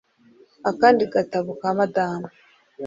Akandi gatabo ka Madamu